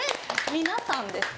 皆さんですか？